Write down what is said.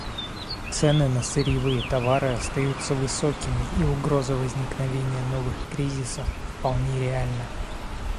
Цены на сырьевые товары остаются высокими, и угроза возникновения новых кризисов вполне реальна.